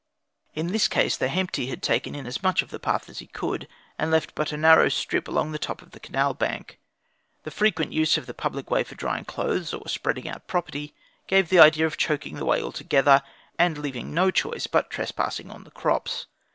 In this case the Hemti had taken in as much of the path as he could, and left it but a narrow strip along the top of the canal bank. The frequent use of the public way for drying clothes, or spreading out property, gave the idea of choking the way altogether, and leaving no choice but trespassing on the crops.